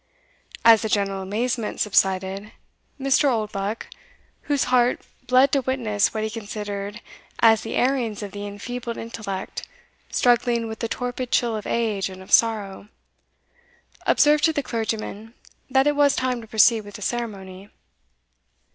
As the general amazement subsided, Mr. Oldbuck, whose heart bled to witness what he considered as the errings of the enfeebled intellect struggling with the torpid chill of age and of sorrow, observed to the clergyman that it was time to proceed with the ceremony.